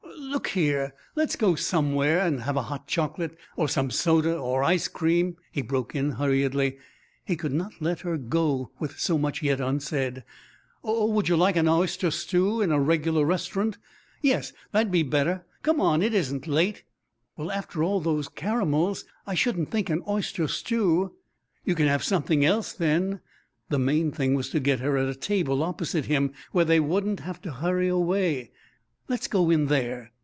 "Look here, let's go somewhere and have a hot choc'late, or some soda, or ice cream," he broke in hurriedly. He could not let her go with so much yet unsaid. "Or would you like an oyster stew in a reg'lar restaurant? Yes, that'd be better. Come on; it isn't late." "Well, after all those caramels, I shouldn't think an oyster stew " "You can have something else, then." The main thing was to get her at a table opposite him, where they wouldn't have to hurry away. "Let's go in there."